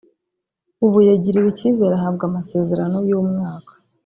ubu yagiriwe icyizere ahabwa amasezerano y’umwaka